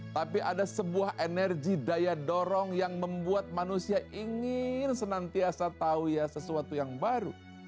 tapi ada sebuah energi daya dorong yang membuat manusia ingin senantiasa tahu ya sesuatu yang baru